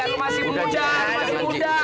masih muda masih muda